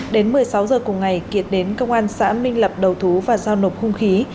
đến một mươi sáu giờ cùng ngày kiệt đến công an xã minh lập đầu thú và giao nộp hung khí